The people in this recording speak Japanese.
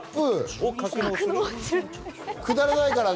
くだらないからね。